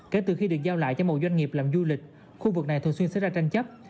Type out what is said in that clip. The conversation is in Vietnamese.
kể từ khi được giao lại cho một doanh nghiệp làm du lịch khu vực này thường xuyên xảy ra tranh chấp